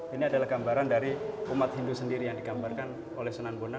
ini adalah gambaran dari umat hindu sendiri yang digambarkan oleh sunan bonang